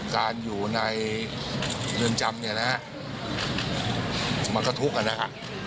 การอยู่ในเรือนจำเนี่ยนะฮะมันก็ทุกข์กันนะฮะ